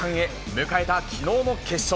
迎えたきのうの決勝。